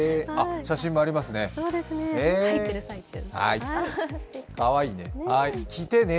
写真もありますね。